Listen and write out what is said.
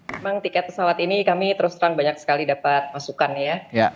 memang tiket pesawat ini kami terus terang banyak sekali dapat masukan ya